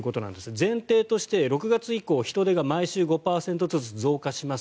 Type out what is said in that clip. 前提として６月以降人出が毎週５％ずつ増加します。